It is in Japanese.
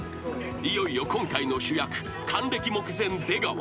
［いよいよ今回の主役還暦目前出川］